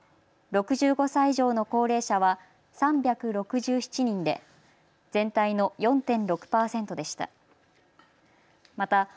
６５歳以上の高齢者は３６７人で全体の４．６％でした。